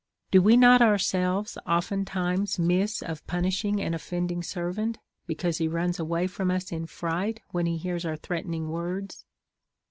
Do we not ourselves oftentimes miss of punishing an offending servant, because he runs away from us in fright when he hears our threatenino; words